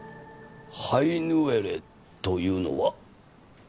ハイヌウェレというのは？